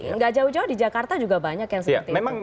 nggak jauh jauh di jakarta juga banyak yang seperti itu